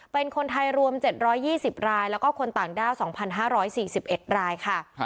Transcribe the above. เป็นคนไทยรวม๗๒๐รายแล้วก็คนต่างด้าว๒๕๔๑รายค่ะ